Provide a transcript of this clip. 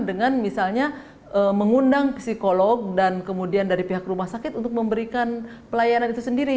dengan misalnya mengundang psikolog dan kemudian dari pihak rumah sakit untuk memberikan pelayanan itu sendiri